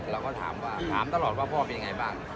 เราก็ถามว่าถามตลอดว่าพ่อเป็นยังไงบ้าง